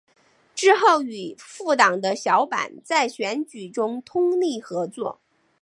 之后与复党的小坂在选举中通力合作。